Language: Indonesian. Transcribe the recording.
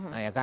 nah ya kan